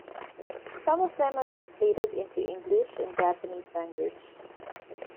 Some of them are translated into English and Japanese language.